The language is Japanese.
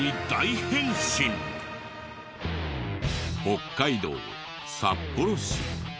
北海道札幌市。